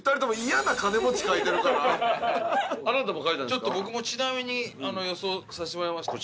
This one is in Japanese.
ちょっと僕もちなみに予想させてもらいました。